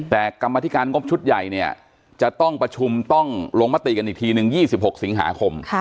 แต่กรรมธิการงบชุดใหญ่เนี่ยจะต้องประชุมต้องลงมติกันอีกทีนึง๒๖สิงหาคม